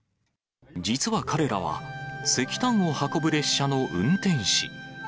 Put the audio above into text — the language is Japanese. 実は彼らは、石炭を運ぶ列車の運転士。